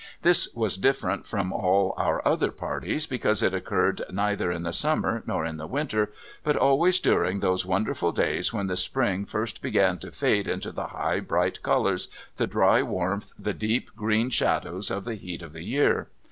This was different from all our other parties, because it occurred neither in the summer nor in the winter, but always during those wonderful days when the spring first began to fade into the high bright colours, the dry warmth, the deep green shadows of the heat of the year.